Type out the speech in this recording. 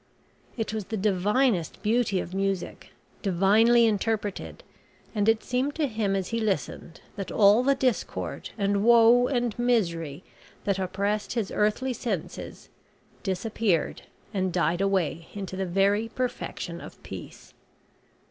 It was the divinest beauty of music, divinely interpreted, and it seemed to him as he listened that all the discord and woe and misery that oppressed his earthly senses, disappeared and died away into the very perfection of peace.